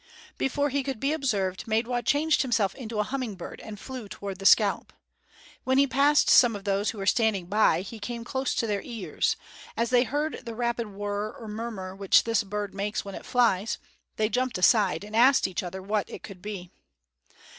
Before he could be observed, Maidwa changed himself into a humming bird, and flew toward the scalp. When he passed some of those who were standing by, he came close to their ears; as they heard the rapid whirr or murmur which this bird makes when it flies, they jumped aside and asked each other what it could be.